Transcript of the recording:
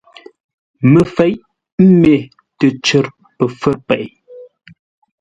Məfeʼ mê təcər pə fə̌r pêi.